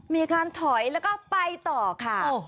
มีการถอยแล้วก็ไปต่อค่ะ